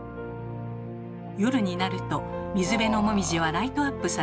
夜になると水辺のもみじはライトアップされます。